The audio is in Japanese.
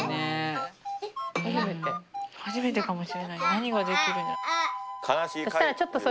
何が出来るんだろう。